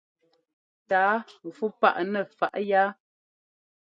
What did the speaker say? Tǎa fú paʼ nɛ faʼ yá.